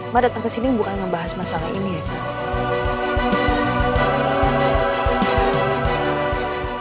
mbak datang kesini bukan ngebahas masalah ini ya sal